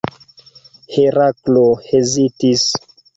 Heraklo hezitis.